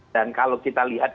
dan kalau kita lihat